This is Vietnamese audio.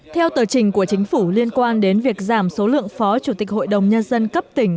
theo tờ trình của chính phủ liên quan đến việc giảm số lượng phó chủ tịch hội đồng nhân dân cấp tỉnh